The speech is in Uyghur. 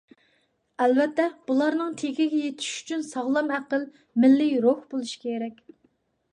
ئەلۋەتتە، بۇلارنىڭ تېگىگە يېتىش ئۈچۈن ساغلام ئەقىل، مىللىي روھ بولۇش كېرەك.